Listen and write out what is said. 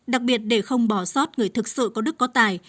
đặc biệt để không bỏ sót người thực sự có đức có tài